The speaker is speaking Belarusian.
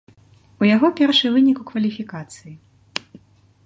У яго першы вынік у кваліфікацыі.